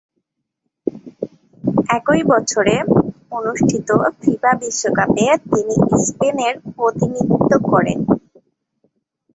একই বছরে অনুষ্ঠিত ফিফা বিশ্বকাপে তিনি স্পেনের প্রতিনিধিত্ব করেন।